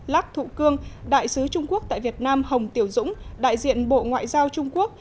lác thụ cương đại sứ trung quốc tại việt nam hồng tiểu dũng đại diện bộ ngoại giao trung quốc